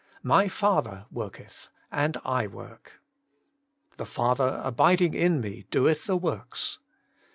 ' My Father worketh, and I work ;'* The Father abiding in Me doeth the works.'